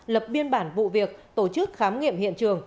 lập biên bản vụ việc tổ chức khám nghiệm hiện trường